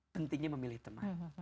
pentingnya memilih teman